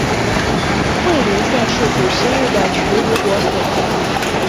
尉犁县是古西域的渠犁国所在地。